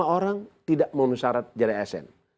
tujuh puluh lima orang tidak menuhi syarat menjadi asn